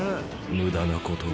無駄なことを。